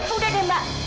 udah deh mbak